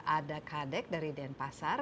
ada kadek dari denpasar